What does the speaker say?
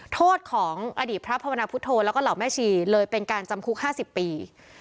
โทษของอดีตพระภาวนาพุทธโธแล้วก็เหล่าแม่ชีเลยเป็นการจำคุก๕๐ปี